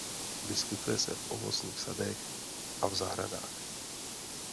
Vyskytuje se v ovocných sadech a v zahradách.